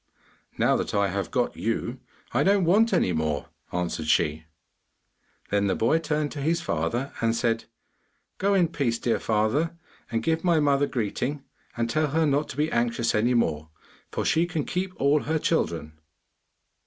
'Now that I have got you, I don't want any more,' answered she. Then the boy turned to his father and said, 'Go in peace, dear father, and give my mother greeting and tell her not to be anxious any more, for she can keep all her children.